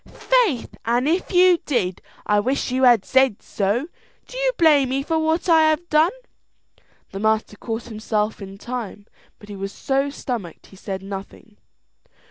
"Faith, an' if you did, I wish you had said so. Do you blame me for what I have done?" The master caught himself in time, but he was so stomached, he said nothing.